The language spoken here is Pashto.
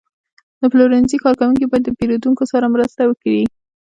د پلورنځي کارکوونکي باید د پیرودونکو سره مرسته وکړي.